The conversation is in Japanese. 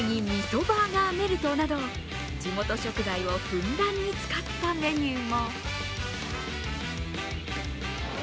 バーガーメルトなど、地元食材をふんだんに使ったメニューも。